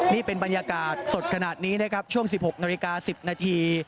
นี่เป็นบรรยากาศสดขนาดนี้นะครับช่วง๑๖นาฬิกา๑๐นาที